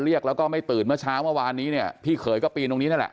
เรียกแล้วก็ไม่ตื่นเมื่อช้าวันนี้ที่เขยก็ปีนตรงนี้นี่แหละ